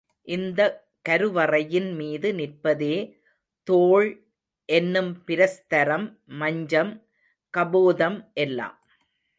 இந்த கருவறையின் மீது நிற்பதே தோள் என்னும் பிரஸ்தரம், மஞ்சம், கபோதம் எல்லாம்.